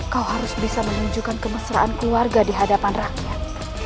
kau harus bisa menunjukkan kemesraan keluarga di hadapan rakyat